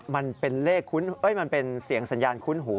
มันเป็นเลขคุ้นมันเป็นเสียงสัญญาณคุ้นหู